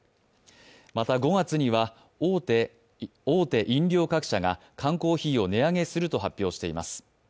また５月には大手飲料各社が缶コーヒーを値上げすると発表しています。